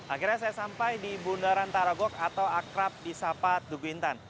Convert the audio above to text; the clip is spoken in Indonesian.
akhirnya saya sampai di bundaran taragok atau akrab di sapa duguintan